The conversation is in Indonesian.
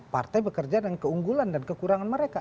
partai bekerja dengan keunggulan dan kekurangan mereka